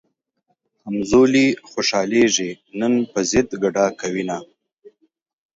همزولي خوشحالېږي نن پۀ ضد ګډا کوينه